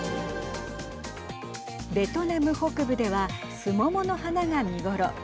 ベトナム北部ではスモモの花が見頃。